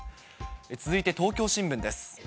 続いて東京新聞です。